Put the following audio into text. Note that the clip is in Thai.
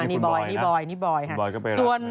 อาจจะบวดแล้ว